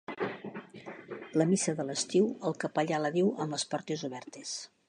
La missa de l’estiu el capellà la diu amb les portes obertes.